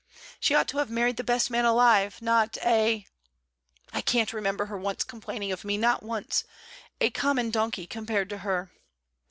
She ought to have married the best man alive, not a ! I can't remember her once complaining of me not once. A common donkey compared to her!